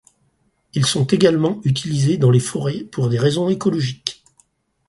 Ils sont également utilisés dans les forêts pour des raisons écologiques.